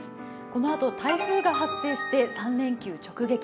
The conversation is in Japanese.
このあと台風が発生して３連休直撃。